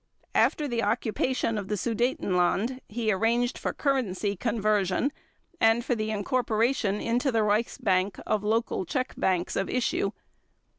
After the occupation of the Sudetenland, he arranged for currency conversion and for the incorporation into the Reichsbank of local Czech banks of issue.